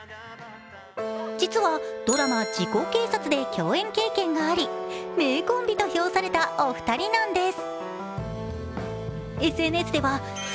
実は、ドラマ「時効警察」で共演経験があり、名コンビと評されたお二人なんです。